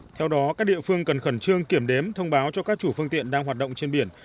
theo đó các địa phương cần khẩn trương kiểm đếm thông báo cho các chủ phương tiện đang hoạt động trên biển